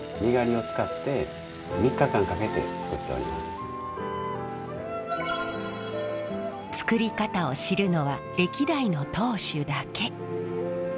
本来料理屋では作り方を知るのは歴代の当主だけ。